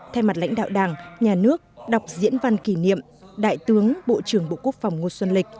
thay mặt lãnh đạo đảng nhà nước đọc diễn văn kỷ niệm đại tướng bộ trưởng bộ quốc phòng ngô xuân lịch